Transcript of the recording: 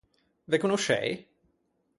Ve conoscei?